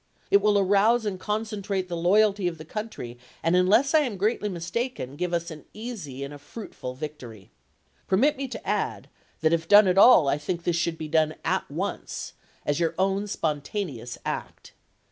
It will arouse and concentrate the loyalty of the country and unless I am greatly mistaken give us an easy and a fruitful victory. Permit me to add that if done at all I think this should be done at once, — as your own spontaneous act.